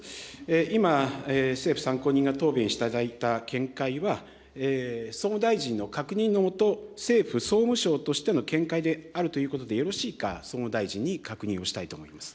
今、政府参考人が答弁していただいた見解は、総務大臣の確認の下、政府・総務省としての見解であるということでよろしいか、総務大臣に確認をしたいと思います。